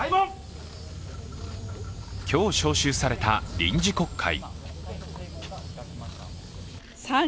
今日召集された臨時国会。